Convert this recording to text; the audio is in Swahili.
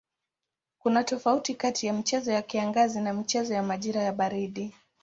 Kuna tofauti kati ya michezo ya kiangazi na michezo ya majira ya baridi.